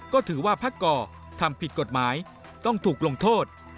ก็ถือว่าพักก่อทำผิดกฎหมายต้องถูกลงโทษ